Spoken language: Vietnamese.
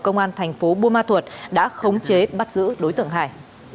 công an thành phố buôn ma thuột đã khống chế bắt giữ đối tượng hải